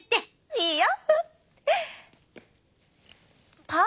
いいよ！